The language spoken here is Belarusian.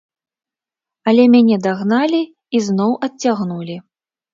Але мяне дагналі і зноў адцягнулі.